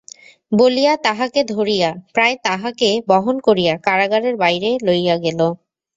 বলিয়া তাঁহাকে ধরিয়া– প্রায় তাঁহাকে বহন করিয়া কারাগারের বাহিরে লইয়া গেল।